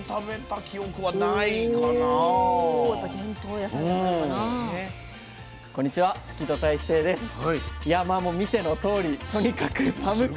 いやまあもう見てのとおりとにかく寒くて。